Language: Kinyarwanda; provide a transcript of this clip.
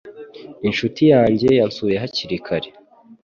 Inshuti yanjye yansuye hakiri kare